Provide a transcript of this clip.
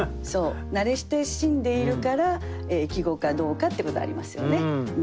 慣れ親しんでいるから季語かどうかってことありますよね。